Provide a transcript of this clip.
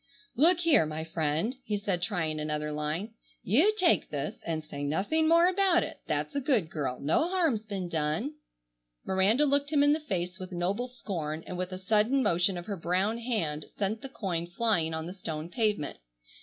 "Look here, my friend," he said trying another line, "you take this and say nothing more about it. That's a good girl. No harm's been done." Miranda looked him in the face with noble scorn, and with a sudden motion of her brown hand sent the coin flying on the stone pavement.